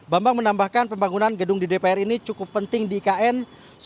bambang menambahkan pembangunan gedung di dpr ini cukup penting di ikn